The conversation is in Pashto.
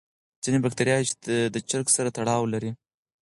ځینې بکتریاوې د چرګ سره تړاو لري.